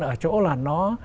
ở chỗ là nó